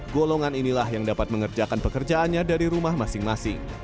golongan inilah yang dapat mengerjakan pekerjaannya dari rumah masing masing